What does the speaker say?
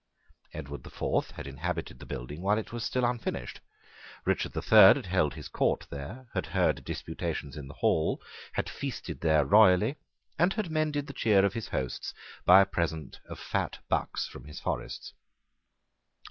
Edward the Fourth had inhabited the building while it was still unfinished. Richard the Third had held his court there, had heard disputations in the hall, had feasted there royally, and had mended the cheer of his hosts by a present of fat bucks from his forests.